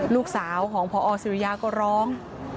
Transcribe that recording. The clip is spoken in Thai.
ลูกสาวของพอสุริยาก็ร้อง